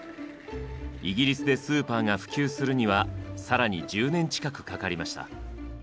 イギリスでスーパーが普及するには更に１０年近くかかりました。